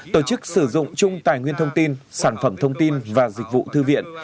tổ chức sử dụng chung tài nguyên thông tin sản phẩm thông tin và dịch vụ thư viện